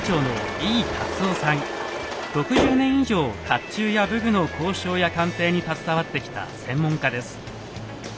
６０年以上甲冑や武具の考証や鑑定に携わってきた専門家です。